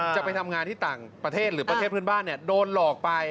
จะไปทำงานที่ต่างประเทศหรือประเทศเพื่อนบ้านโดนหลอกไป